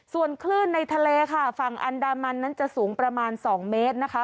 ส่วนคลื่นในทะเลค่ะฝั่งอันดามันนั้นจะสูงประมาณ๒เมตรนะคะ